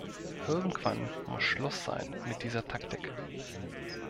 Irgendwann muss Schluss sein mit dieser Taktik.